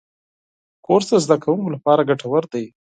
کورس د زدهکوونکو لپاره ګټور دی.